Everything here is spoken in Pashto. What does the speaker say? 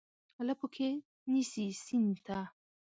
لپو کې نیسي سیند ته،